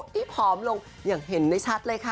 ที่ผอมลงอย่างเห็นได้ชัดเลยค่ะ